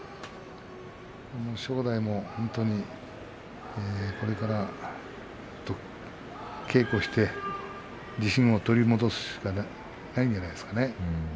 正代もこれから稽古をして自信を取り戻すしかないんじゃないですかね。